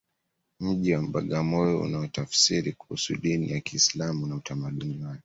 mji wa bagamoyo unaotafsiri kuhusu dini ya kiislamu na utamaduni wake